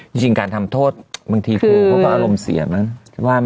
จริงการทำโทษบางทีเพราะว่าอารมณ์เสียไหม